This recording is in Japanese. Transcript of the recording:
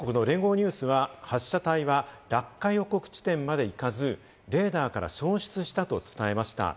ニュースは発射体は落下予告地点まで行かず、レーダーから消失したと伝えました。